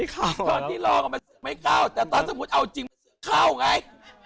ตอนที่รอกันมันไม่เข้าแต่ตอนสมมุติเอาจริงมันเข้าไง